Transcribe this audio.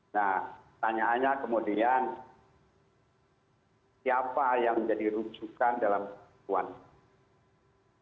nah tanyaannya kemudian siapa yang menjadi rujukan dalam kekuatan